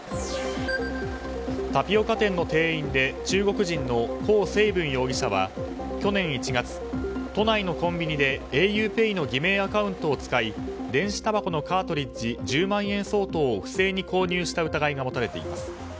タピオカ店の店員で中国人のコウ・セイブン容疑者は去年１月、都内のコンビニでａｕＰＡＹの偽名アカウントを使い電子たばこのカートリッジ１０万円相当を不正に購入した疑いが持たれています。